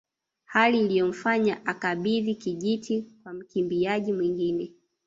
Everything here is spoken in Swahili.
Hali iliyomfanya akabidhi kijiti kwa mkimbiaji mwingine